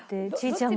ちゃん